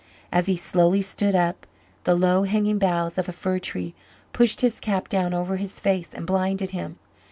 As he slowly stood up, the low hanging bough of a fir tree pushed his cap down over his face and blinded him.